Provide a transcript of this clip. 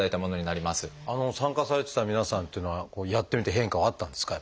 参加されてた皆さんっていうのはやってみて変化はあったんですか？